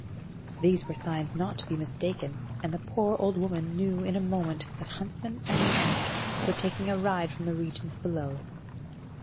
These were signs not to be mistaken, and the poor old woman knew in a moment that huntsman and hounds were taking a ride from the regions below.